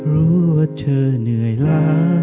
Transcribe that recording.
รู้ว่าเธอเหนื่อยละ